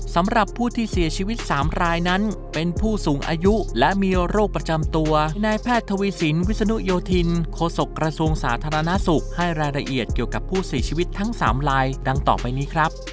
สำหรับผู้ที่เสียชีวิต๓รายนั้นเป็นผู้สูงอายุและมีโรคประจำตัวนายแพทย์ทวีสินวิศนุโยธินโคศกระทรวงสาธารณสุขให้รายละเอียดเกี่ยวกับผู้เสียชีวิตทั้ง๓ลายดังต่อไปนี้ครับ